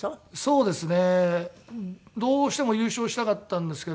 そうですね。